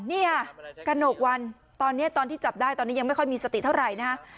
เนี่ยกระหนกวันตอนนี้ตอนที่จับได้ตอนนี้ยังไม่ค่อยมีสติเท่าไหร่นะฮะ